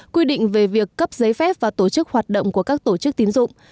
quy định về việc cấp giấy phép và tổ chức hoạt động của các tổ chức tín dụng